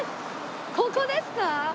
ここですか？